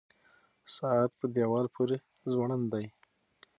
ساعت په دیوال پورې ځوړند دی.